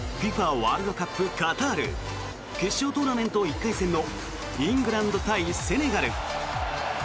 ワールドカップカタール決勝トーナメント１回戦のイングランド対セネガル。